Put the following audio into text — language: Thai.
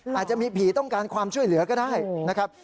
อาจจะมีผีต้องการความช่วยเหลือก็ได้นะครับ